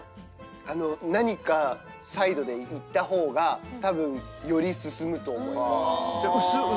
何かサイドでいった方が多分より進むと思います。